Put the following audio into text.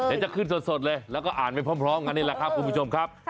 เดี๋ยวจะขึ้นสดเลยแล้วก็อ่านไปพร้อมกันนี่แหละครับคุณผู้ชมครับ